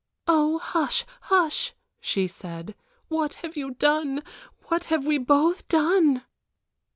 "Oh, hush! hush!" she said. "What have you done what have we both done!"